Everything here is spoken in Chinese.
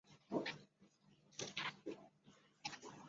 祖父曹安善。